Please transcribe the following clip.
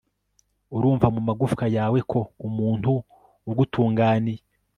Urumva mumagufwa yawe ko umuntu ugutunganiye